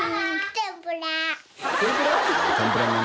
天ぷら？